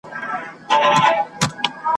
له واخانه تر پنجشیره د هري تر منارونو `